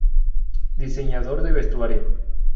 Diseñador de vestuario